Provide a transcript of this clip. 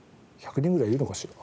１００人ぐらいいるのかしら？